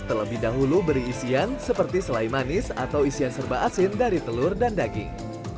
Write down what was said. terlebih dahulu beri isian seperti selai manis atau isian serba asin dari telur dan daging